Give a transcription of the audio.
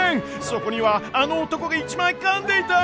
そこにはあの男が一枚かんでいた！？